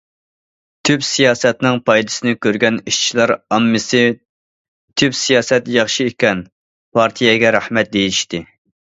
تۈپ سىياسەتنىڭ پايدىسىنى كۆرگەن ئىشچىلار ئاممىسى:« تۈپ سىياسەت ياخشى ئىكەن، پارتىيەگە رەھمەت!» دېيىشتى.